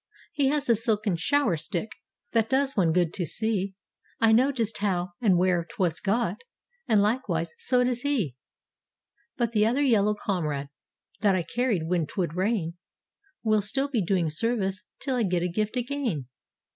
He has a silken "shower stick" that does one good to see— I know just how and where 'twas got, and like¬ wise, so does he. But the other yellow comrade that I carried when 'twould rain Will still be doing service 'till I get a gift again.